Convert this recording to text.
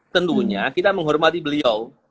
tentunya kita menghormati beliau